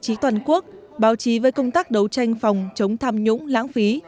trí toàn quốc báo chí với công tác đấu tranh phòng chống tham nhũng lãng phí